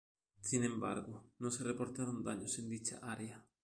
Sin embargo, no se reportaron daños en dicha área.